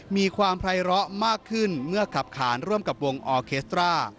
มีความไพร้อมากขึ้นเมื่อขับขานร่วมกับวงออเคสตรา